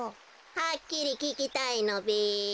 はっきりききたいのべ。